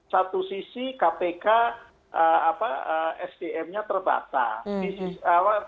satu sisi kpk sdm nya terbatas